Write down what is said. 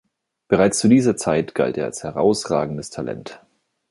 Bereits zu dieser Zeit galt er als herausragendes Talent.